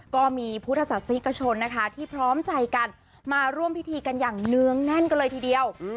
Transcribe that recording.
ก็มีพุทธศาสนิกชนนะคะที่พร้อมใจกันมาร่วมพิธีกันอย่างเนื้องแน่นกันเลยทีเดียว